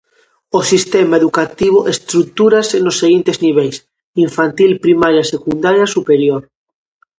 O sistema educativo estrutúrase nos seguintes niveis: infantil, primaria, secundaria e superior.